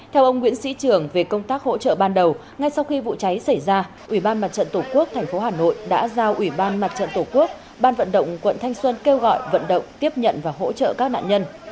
theo ông nguyễn sĩ trường về công tác hỗ trợ ban đầu ngay sau khi vụ cháy xảy ra ủy ban mặt trận tổ quốc tp hà nội đã giao ủy ban mặt trận tổ quốc ban vận động quận thanh xuân kêu gọi vận động tiếp nhận và hỗ trợ các nạn nhân